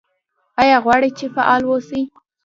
ایا غواړئ چې فعال اوسئ؟